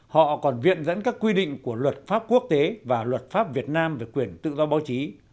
họ còn viện dẫn các quy định của luật pháp quốc tế và luật pháp việt nam về quyền tự do báo chí